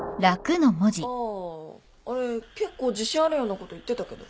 あああれ結構自信あるようなこと言ってたけど。